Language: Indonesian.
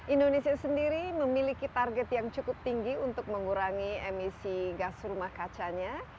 indonesia sendiri memiliki target yang cukup tinggi untuk mengurangi emisi gas rumah kacanya